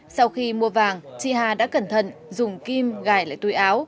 sau khi mua vàng chị hà đã cẩn thận dùng kim gải lại túi áo